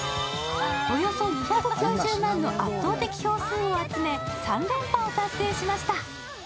およそ２９０万の圧倒的票数を集め、３連覇を達成しました。